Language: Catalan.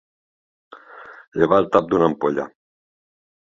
Llevar el tap d'una ampolla.